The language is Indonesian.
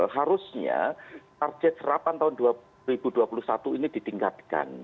harusnya target serapan tahun dua ribu dua puluh satu ini ditingkatkan